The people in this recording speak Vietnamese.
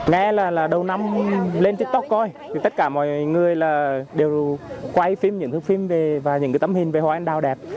tại đây là đầu năm lên tiktok coi tất cả mọi người đều quay phim và những tấm hình về hoa anh đào đẹp